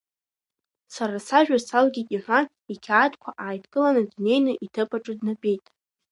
Сара сажәа салгеит, — иҳәан иқьаадқәа ааидкыланы днеины иҭыԥаҿы днатәеит.